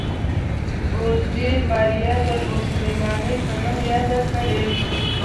بوډۍ ماريا د بوسلمانې په نوم ياده کړه.